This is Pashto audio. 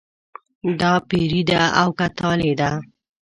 دا پیري ده او که طالع ده.